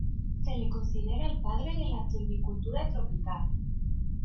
Se le considera el padre de la silvicultura tropical.